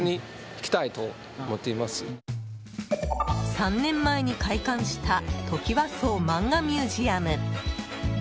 ３年前に開館したトキワ荘マンガミュージアム。